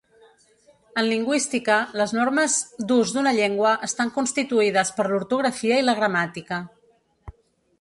En lingüística, les normes d'ús d'una llengua estan constituïdes per l'ortografia i la gramàtica.